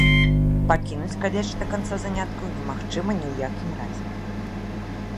Пакінуць каледж да канца заняткаў немагчыма ні ў якім разе.